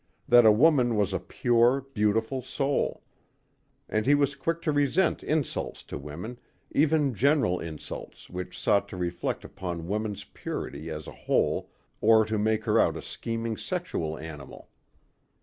That a woman was a pure, beautiful soul. And he was quick to resent insults to women, even general insults which sought to reflect upon woman's purity as a whole or to make her out a scheming sexual animal.